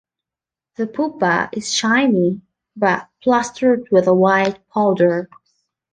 The pupa is shiny, but plastered with a white powder.